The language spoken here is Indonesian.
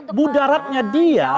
tapi budaratnya dia